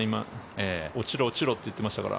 落ちろ落ちろと言っていましたから。